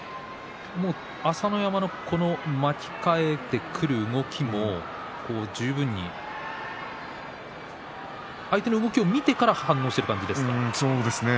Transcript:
朝乃山の巻き替えてくる動きも十分に相手の動きを見てから反応している感じですか。